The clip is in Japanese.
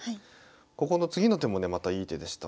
ここの次の手もねまたいい手でした。